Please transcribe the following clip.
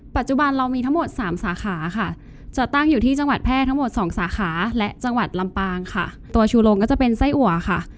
ปัจจุบันเรามีทั้งหมดสามสาขาค่ะจะตั้งอยู่ที่จังหวัดแพร่ทั้งหมดสองสาขาและจังหวัดลำปางค่ะตัวชูโรงก็จะเป็นไส้อัวค่ะ